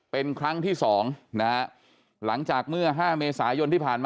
เป็นครั้งที่สองนะฮะหลังจากเมื่อ๕เมษายนที่ผ่านมา